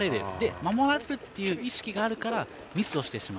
守られるという意識があるからミスをしてしまう。